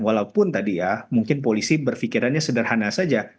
walaupun tadi ya mungkin polisi berpikirannya sederhana saja